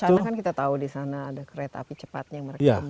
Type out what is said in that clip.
kalau china kan kita tahu di sana ada kereta api cepatnya yang mereka kembangkan